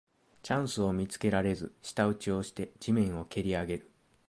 チャンスを見つけられず舌打ちをして地面をけりあげる